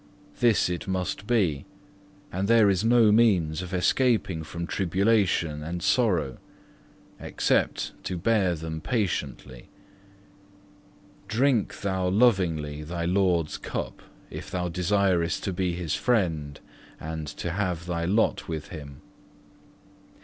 This it must be; and there is no means of escaping from tribulation and sorrow, except to bear them patiently. Drink thou lovingly thy Lord's cup if thou desirest to be His friend and to have thy lot with Him.